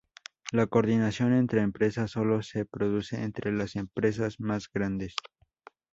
La coordinación entre empresas solo se produce entre las empresas más grandes.